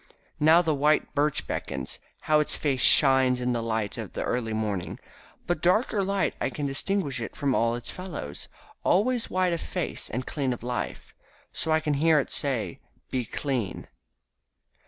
Now the white birch beckons. How its face shines in the light of the early morning! But dark or light I can distinguish it from all its fellows. Always white of face and clean of life. So I hear it say, "Be clean."